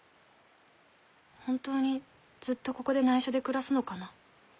本当にずっとここで内緒で暮らすのかな。